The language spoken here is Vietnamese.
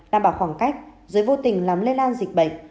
đảm bảo khoảng cách giới vô tình làm lây lan dịch bệnh